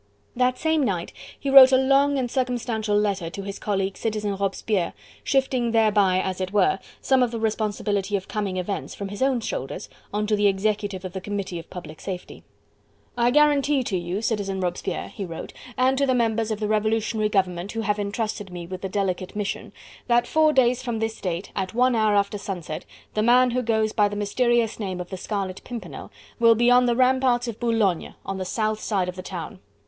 That same night he wrote a long and circumstantial letter to his colleague, Citizen Robespierre, shifting thereby, as it were, some of the responsibility of coming events from his own shoulders on to the executive of the Committee of Public Safety. "I guarantee to you, Citizen Robespierre," he wrote, "and to the members of the Revolutionary Government who have entrusted me with the delicate mission, that four days from this date at one hour after sunset, the man who goes by the mysterious name of the Scarlet Pimpernel, will be on the ramparts of Boulogne on the south side of the town.